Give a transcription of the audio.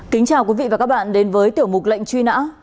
kính chào quý vị và các bạn đến với tiểu mục lệnh truy nã